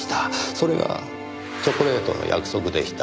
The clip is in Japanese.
それがチョコレートの約束でした。